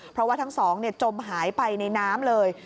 เพราะว่าทั้งสองจมหายไปในน้ำเลย